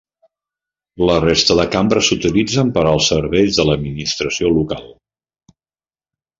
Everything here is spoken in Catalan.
La resta de cambres s'utilitzen per als serveis de l'administració local.